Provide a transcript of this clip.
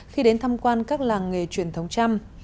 khi đến thăm quan các làng nghề truyền thống trăm